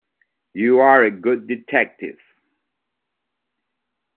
You are a good detective.